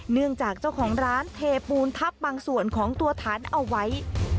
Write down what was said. เนื่องจากเจ้าของร้านเทปูนทับบางส่วนของตัวฐานเอาไว้